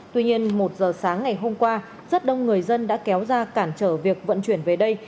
tuy nhiên một giờ sáng ngày hôm qua rất đông người dân đã kéo ra cản trở việc vận chuyển về đây